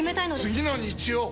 次の日曜！